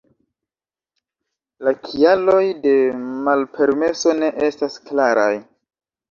La kialoj de malpermeso ne estas klaraj.